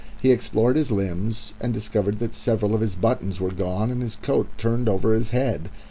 He explored his limbs, and discovered that several of his buttons were gone and his coat turned over his head.